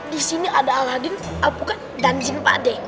di sini ada aladin alpukat dan zin pak de